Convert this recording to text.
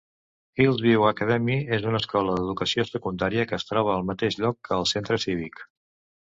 Hillsview Academy és una escola d'educació secundària que es troba al mateix lloc que el centre cívic.